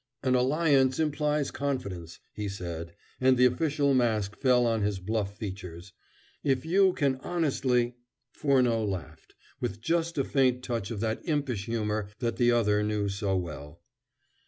"An alliance implies confidence," he said, and the official mask fell on his bluff features. "If you can honestly " Furneaux laughed, with just a faint touch of that impish humor that the other knew so well.